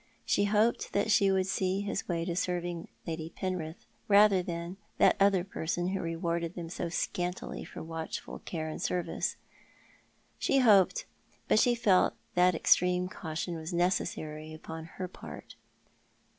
She hoped that he would see his way to serving Lady Penrith rather than that other person who rewarded them so scantily for watchful care and service. She hoped, but she felt that extreme caution was necessary upon her part.